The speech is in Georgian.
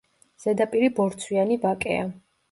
ზედაპირი ბორცვიანი ვაკეა.